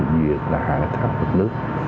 việc hạ tầng